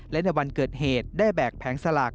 และในวันเกิดเหตุได้แบกแผงสลาก